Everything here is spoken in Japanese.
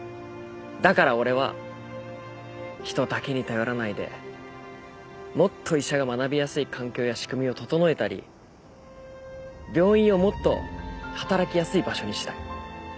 だから俺は人だけに頼らないでもっと医者が学びやすい環境や仕組みを整えたり病院をもっと働きやすい場所にしたい。